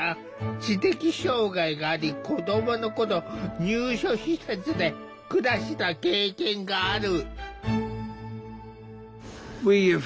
知的障害があり子どもの頃入所施設で暮らした経験がある。